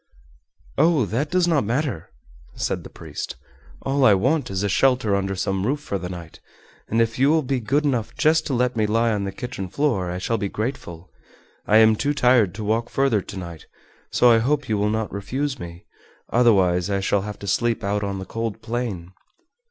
"Oh, that does not matter," said the priest; "all I want is a shelter under some roof for the night, and if you will be good enough just to let me lie on the kitchen floor I shall be grateful. I am too tired to walk further to night, so I hope you will not refuse me, otherwise I shall have to sleep out on the cold plain."